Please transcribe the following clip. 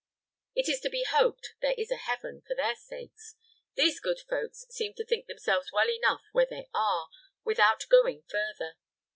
"It is to be hoped there is a heaven, for their sakes. These good folks seem to think themselves well enough where they are, without going further.